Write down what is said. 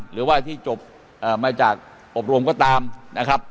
หรือว่าที่จบมาจากอบรมก็ตามนะครับ